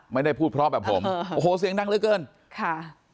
ไม่ได้พูดเพราะแบบผมโอ้โหเสียงดังเหลือเกินค่ะ